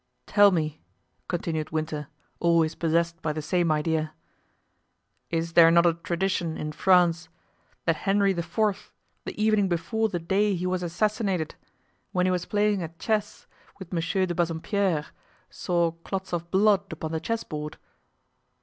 "Tell me," continued Winter, always possessed by the same idea, "is there not a tradition in France that Henry IV., the evening before the day he was assassinated, when he was playing at chess with M. de Bassompiere, saw clots of blood upon the chessboard?"